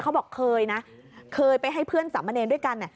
เขาบอกเคยนะเคยไปให้เพื่อนสามเณรด้วยกัน